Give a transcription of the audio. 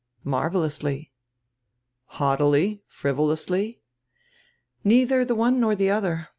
"Marvelously." "Haughtily? frivolously?" "Neither the one nor the other.